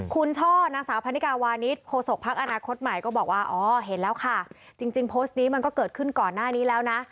คุณช่อนางสาวพันนิกาวานิสโฆษกภักดิ์อนาคตใหม่ก็บอกว่าอ๋อเห็นแล้วค่ะจริงโพสต์นี้มันก็เกิดขึ้นก่อนหน้านี้แล้วนะ